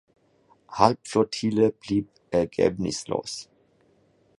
Halbflottille blieb ergebnislos.